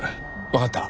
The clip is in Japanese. わかった。